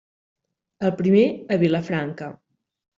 El primer a Vilafranca.